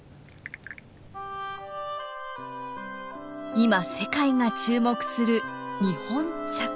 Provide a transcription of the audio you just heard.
今世界が注目する日本茶。